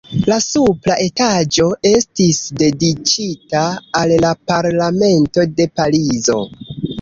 La supra etaĝo estis dediĉita al la Parlamento de Parizo.